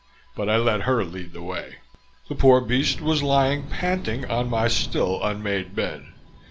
But I let her lead the way. The poor beast was lying panting on my still unmade bed.